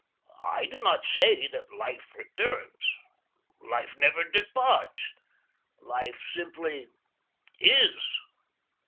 I do not say that life returns. Life never departs. Life simply IS.